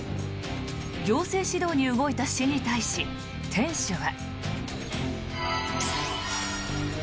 行政指導に動いた市に対し店主は。